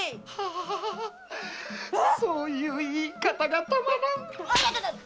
あそういう言い方がたまらん。